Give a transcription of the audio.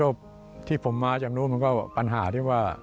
อดีตมันก็ที่ผมมาจากโน่มันก็ปัญหาที่ว่า